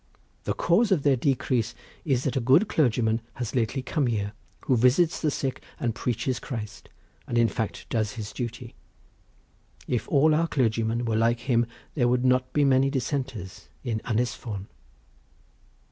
The cause of their decrease is that a good clergyman has lately come here, who visits the sick and preaches Christ, and in fact does his duty. If all our clergymen were like him there would not be many Dissenters in Ynis Fon."